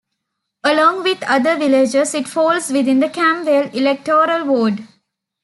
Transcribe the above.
Along with other villages it falls within the Cam Vale Electoral Ward.